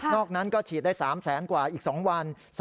อกนั้นก็ฉีดได้๓แสนกว่าอีก๒วัน